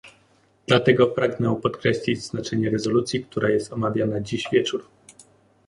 Dlatego pragnę podkreślić znaczenie rezolucji, która jest omawiana dziś wieczór